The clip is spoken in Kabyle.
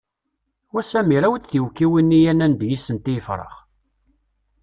Wa Samir awi-d tiwekkiwin-nni ad nandi yis-sent i yefrax!